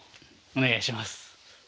お願いします。